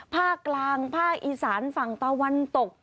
ภาคกลางภาคอีสานฝั่งตะวันตก